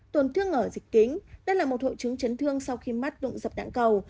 tổn thương ở dịch kính đây là một hội chứng chấn thương sau khi mắt đụng dập đạn cầu